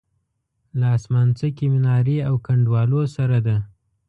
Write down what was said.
له اسمانڅکې منارې او کنډوالو سره ده.